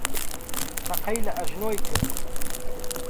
تەقەی لە ئەژنۆی کرد.